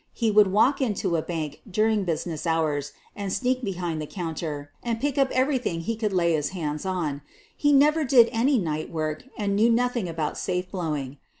He would walk into a bank during business hours and sneak behind the counter and pick up everything he could lay his hands on. He never did any night work, and knew nothing about safe blowing.